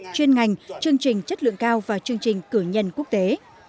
chuyên ngành chương trình chất lượng cao và chương trình cử nhân quốc tế